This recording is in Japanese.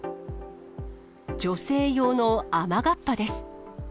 女性用の雨がっぱです。